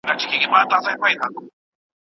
ماته مي پلار او نیکه دواړو وه نکلونه کړي